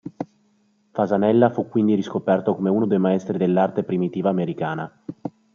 Fasanella fu quindi riscoperto come uno dei maestri dell'arte primitiva americana.